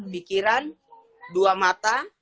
pikiran dua mata